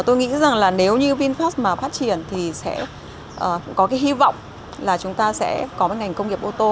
tôi nghĩ rằng nếu như vinfast phát triển thì sẽ có hy vọng là chúng ta sẽ có ngành công nghiệp ô tô